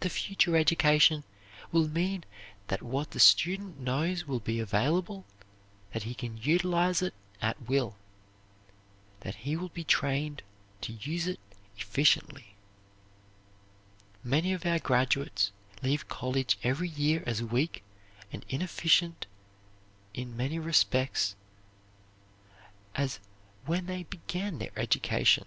The future education will mean that what the student knows will be available, that he can utilize it at will, that he will be trained to use it efficiently. Many of our graduates leave college every year as weak and inefficient in many respects as when they began their education.